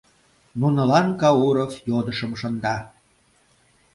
Нунылан Кауров йодышым шында: